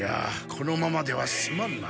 このままではすまんな。